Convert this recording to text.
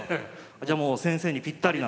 じゃもう先生にぴったりな。